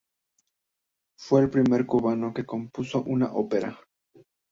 Fue el primer cubano que compuso una ópera.